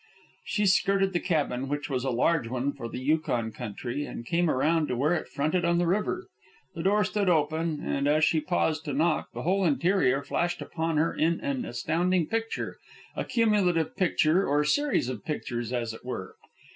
She skirted the cabin, which was a large one for the Yukon country, and came around to where it fronted on the river. The door stood open, and, as she paused to knock, the whole interior flashed upon her in an astounding picture, a cumulative picture, or series of pictures, as it were.